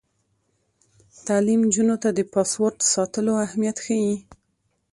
تعلیم نجونو ته د پاسورډ ساتلو اهمیت ښيي.